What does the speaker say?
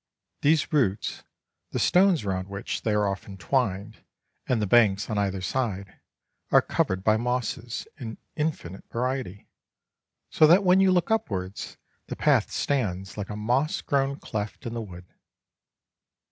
These roots, the stones round which they are often twined, and the banks on either side, are covered by mosses in infinite variety, so that when you look upwards the path stands like a moss grown cleft in the wood.